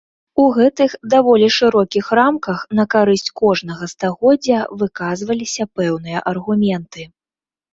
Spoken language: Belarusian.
У гэтых, даволі шырокіх, рамках на карысць кожнага стагоддзя выказваліся пэўныя аргументы.